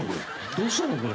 どうしたのこれ？